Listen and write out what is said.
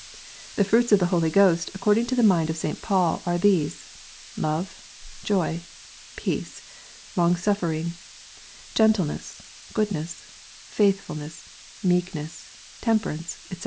The fruits of the Holy Ghost, according to the mind of St. Paul, are these : love, joy, peace, long suffering, gentleness, goodness, faithfulness, meekness, temperance, etc.